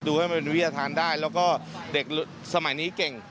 ให้มันวิทยาฐานได้แล้วก็เด็กสมัยนี้เก่ง